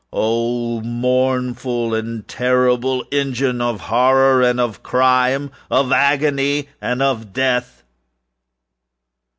âoh, mournful and terrible engine of Horror and of Crimeâof Agony and of Death!